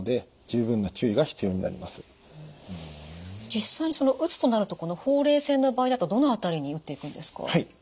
実際打つとなるとこのほうれい線の場合だとどの辺りに打っていくんですか？